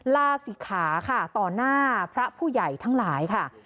ลาศิกขาค่ะต่อหน้าพระผู้ใหญ่ทั้งหลายค่ะ